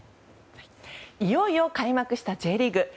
いよいよ開幕したＪリーグ。